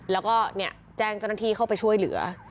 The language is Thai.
แล้วก็แจ้งเจ้าหน้าที่เข้าไปช่วยเหลือ